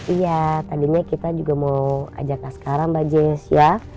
iya tadinya kita juga mau ajak tante rossa mbak jess ya